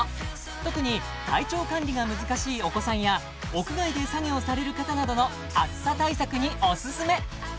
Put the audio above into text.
特に体調管理が難しいお子さんや屋外で作業される方などの暑さ対策にオススメ！